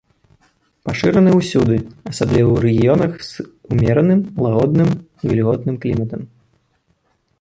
Пашыраны ўсюды, асабліва ў рэгіёнах з умераным, лагодным і вільготным кліматам.